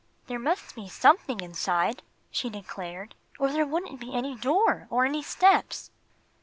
"There must be something inside," she declared, "or there wouldn't be any door, or any steps."